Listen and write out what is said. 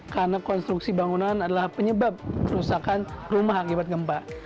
karena konstruksi bangunan adalah penyebab kerusakan rumah akibat gempa